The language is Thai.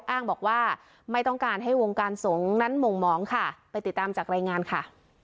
อ้างบอกว่าไม่ต้องการให้วงการสงฆ์นั้นหม่งหมองค่ะไปติดตามจากรายงานค่ะ